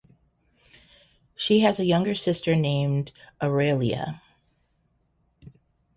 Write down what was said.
She has a younger sister named Aurelia.